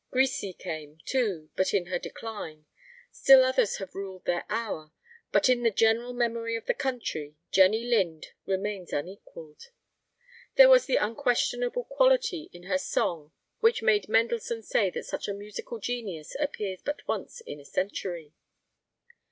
Grisi came, too, but in her decline. Still others have ruled their hour. But in the general memory of the country Jenny Lind remains unequalled. There was the unquestionable quality in her song which made Mendelssohn say that such a musical genius appears but once in a century.